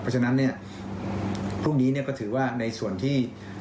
เพราะฉะนั้นพรุ่งนี้ก็ถือว่าในส่วนที่